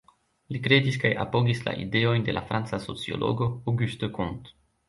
Li kredis kaj apogis la ideojn de la franca sociologo, Auguste Comte.